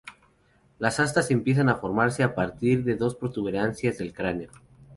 Las astas empiezan a formarse a partir de dos protuberancias del cráneo.